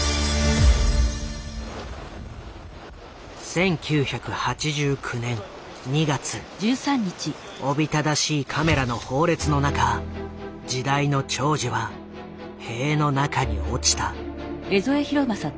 １９８９年２月おびただしいカメラの放列の中時代の寵児は塀の中に落ちた。